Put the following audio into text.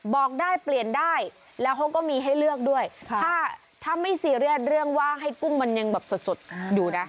บอกได้เปลี่ยนได้แล้วเขาก็มีให้เลือกด้วยถ้าไม่ซีเรียสเรื่องว่าให้กุ้งมันยังแบบสดอยู่นะ